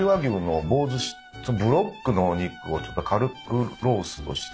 ブロックのお肉をちょっと軽くローストして。